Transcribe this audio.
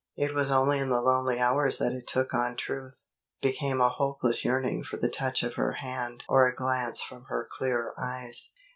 It was only in the lonely hours that it took on truth, became a hopeless yearning for the touch of her hand or a glance from her clear eyes.